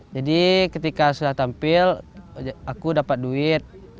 jadi ketika sudah tampil aku dapat duit